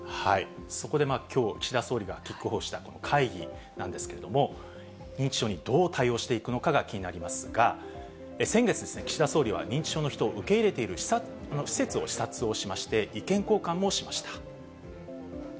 そこできょう、岸田総理がした会議なんですけれども、認知症にどう対応していくのかが気になりますが、先月ですね、岸田総理は認知症の人を受け入れている施設を視察をしまして、意見交換をしました。